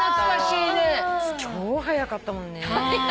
超速かったもんね。